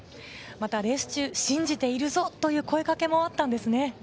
レース中、信じているぞという声かけもあったんですね。